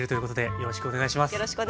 よろしくお願いします。